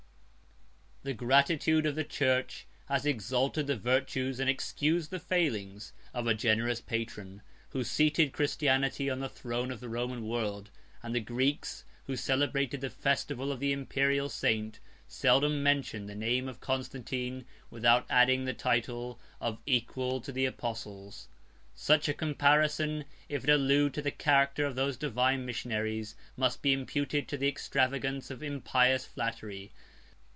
] The gratitude of the church has exalted the virtues and excused the failings of a generous patron, who seated Christianity on the throne of the Roman world; and the Greeks, who celebrate the festival of the Imperial saint, seldom mention the name of Constantine without adding the title of equal to the Apostles. 71 Such a comparison, if it allude to the character of those divine missionaries, must be imputed to the extravagance of impious flattery.